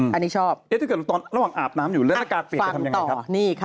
ถ้าเกิดตอนระหว่างอาบน้ำอยู่แล้วหน้ากากเปียกจะทำอย่างไรครับ